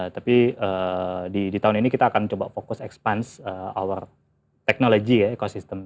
tapi di tahun ini kita akan coba fokus expand our technology ya ekosistem